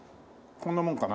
こんなもんかな？